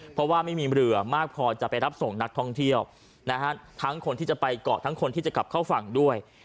เพราะว่าไม่มีเรือมากพอจะไปรับส่งนักท่องเที่ยวนะฮะทั้งคนที่จะไปเกาะทั้งคนที่จะกลับเข้าฝั่งด้วย